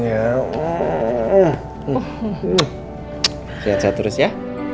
sehat sehat terus ya